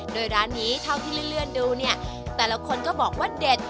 โดยร้านนี้เท่าที่เลื่อนดูเนี่ยแต่ละคนก็บอกว่าเด็ด